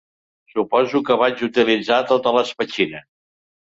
Suposo que vaig utilitzar totes les petxines.